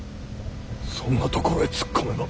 そんなところへ突っ込めば。